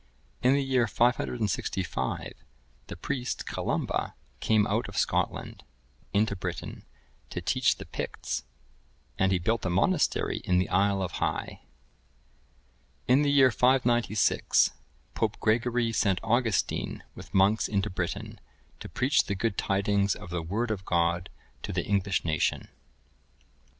In the year 565, the priest, Columba, came out of Scotland,(1035) into Britain, to teach the Picts, and he built a monastery in the isle of Hii. [III, 4.] In the year 596, Pope Gregory sent Augustine with monks into Britain, to preach the good tidings of the Word of God to the English nation. [I, 23.